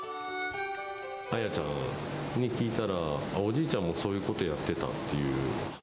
あやちゃんに聞いたら、おじいちゃんもそういうことやってたっていう。